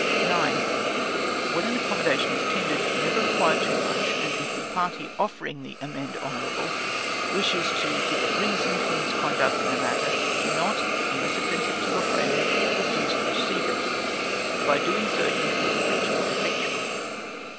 9. When an accommodation is tendered, never require too much; and if the party offering the amende honorable, wishes to give a reason for his conduct in the matter, do not, unless offensive to your friend, refuse to receive it; by so doing you may heal the breach more effectually.